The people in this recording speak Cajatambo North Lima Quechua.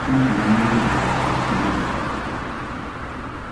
Pipish manami maqashunkimantsu.